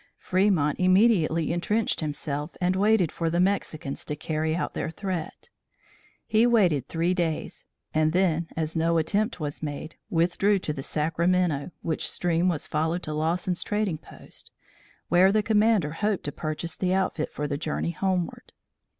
Fremont immediately intrenched himself and waited for the Mexicans to carry out their threat. He waited three days, and then, as no attempt was made, withdrew to the Sacramento, which stream was followed to Lawson's Trading Post, where the commander hoped to purchase the outfit for the journey homeward.